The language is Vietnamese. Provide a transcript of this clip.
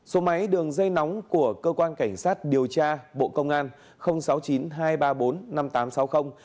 số máy đường dây nóng của cơ quan cảnh sát điều tra bộ công an sáu mươi chín hai trăm ba mươi bốn năm nghìn tám trăm sáu mươi